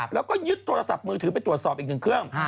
แล้วก็ยึดโทรศัพท์มือถือไปตรวจสอบอีกหนึ่งเครื่อง